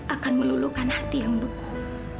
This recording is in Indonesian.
akan melulukan hati yang beku